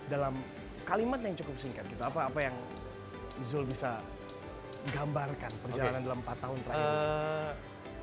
dalam kalimat yang cukup singkat gitu apa yang zul bisa gambarkan perjalanan dalam empat tahun terakhir